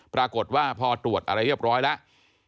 ปรากฏว่าพอตรวจอะไรเรียบร้อยแล้ว